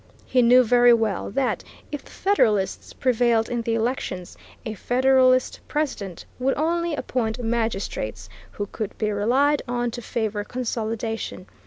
He knew very well that, if the Federalists prevailed in the elections, a Federalist President would only appoint magistrates who could be relied on to favor consolidation.